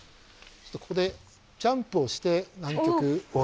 ここでジャンプをして南極へ。